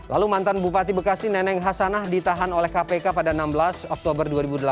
lalu mantan bupati bekasi neneng hasanah ditahan oleh kpk pada enam belas oktober dua ribu delapan belas